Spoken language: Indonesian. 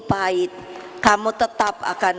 pahit kamu tetap akan